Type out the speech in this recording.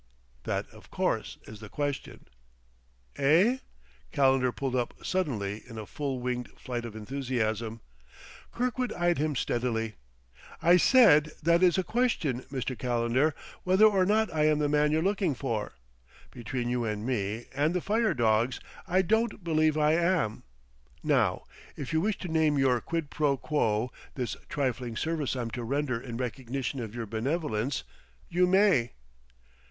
"That, of course, is the question." "Eh?" Calendar pulled up suddenly in a full winged flight of enthusiasm. Kirkwood eyed him steadily. "I said that it is a question, Mr. Calendar, whether or not I am the man you're looking for. Between you and me and the fire dogs, I don't believe I am. Now if you wish to name your quid pro quo, this trifling service I'm to render in recognition of your benevolence, you may."